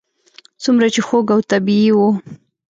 څومره چې خوږ او طبیعي و.